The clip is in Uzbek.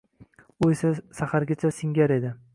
U esa sahargacha singar edi.